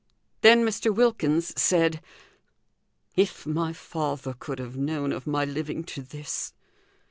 Then Mr. Wilkins said: "If my father could have known of my living to this!